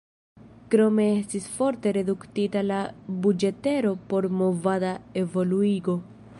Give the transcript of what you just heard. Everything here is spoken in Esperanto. Krome estis forte reduktita la buĝetero por "movada evoluigo".